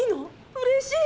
うれしい！